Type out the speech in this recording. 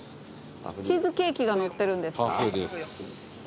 チーズケーキが載ってるんですか？